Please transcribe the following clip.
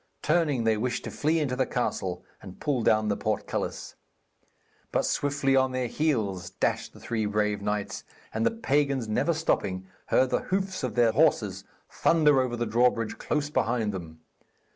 Turning, they wished to flee into the castle and pull down the portcullis. But swiftly on their heels dashed the three brave knights, and the pagans, never stopping, heard the hoofs of their horses thunder over the drawbridge close behind them.